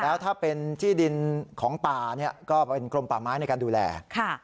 แล้วถ้าเป็นที่ดินของป่าเนี่ยก็เป็นกรมป่าไม้ในการดูแล